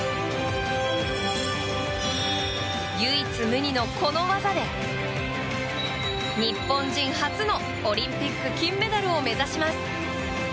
唯一無二のこの技で日本人初のオリンピック金メダルを目指します。